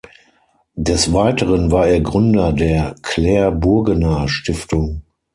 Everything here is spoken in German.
Des Weiteren war er Gründer der „Clair Burgener Stiftung“.